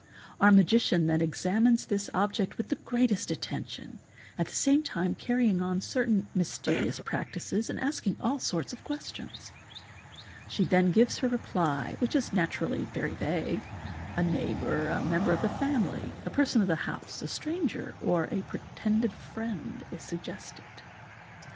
Our magician then examines this object with the greatest attention, at the same time carry ing on certain mysterious practices and asking all sorts of questions. She then gives her reply, which is naturally very vague, a neighbour, a member of the family, a person of the house, a stranger, or a pretended | friend is suggested.